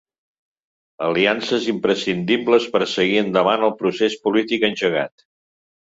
Aliances imprescindibles per seguir endavant el procés polític engegat.